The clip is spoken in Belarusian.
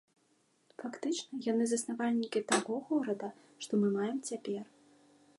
Фактычна, яны заснавальнікі таго горада, што мы маем цяпер.